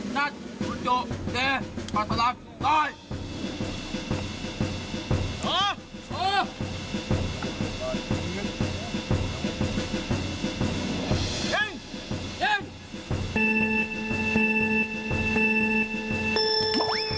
สะเมิดควันนัดสุดโยแจปราสาบันต้อย